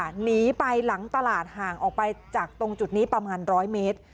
หนีไปหลังตลาดห่างออกไปจากตรงจุดนี้ประมาณ๑๐๐เมตร